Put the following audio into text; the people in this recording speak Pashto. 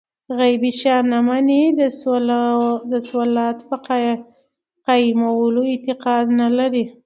غيبي شيان نه مني، د صلوة په قائمولو اعتقاد نه لري